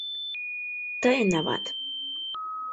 — Тыйын ават!